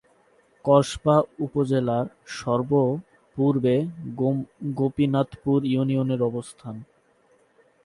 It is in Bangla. কসবা উপজেলার সর্ব-পূর্বে গোপীনাথপুর ইউনিয়নের অবস্থান।